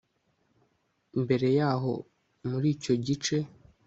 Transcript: mbere yaho muri icyo gice